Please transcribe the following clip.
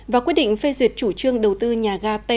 và quy định phê duyệt chủ trương đầu tư nhà ga t ba